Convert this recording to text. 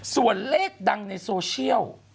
ส่วนเลขดังในโซเชียล